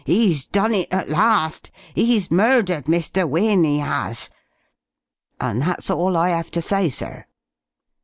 He's done it at last! He's murdered Mr. Wynne, he has!' And that's all I 'ave to say, sir."